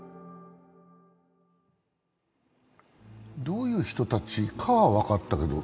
どういう人たちかは分かったけど、